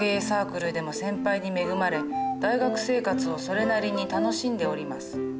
サークルでも先輩に恵まれ大学生活をそれなりに楽しんでおります。